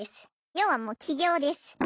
要はもう起業です。